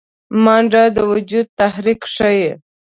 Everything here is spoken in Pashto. منډه د وجود تحرک ښيي